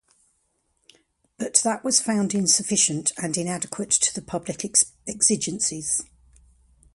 But that was found insufficient, and inadequate to the public exigencies.